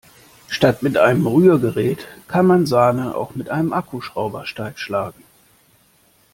Statt mit einem Rührgerät kann man Sahne auch mit einem Akkuschrauber steif schlagen.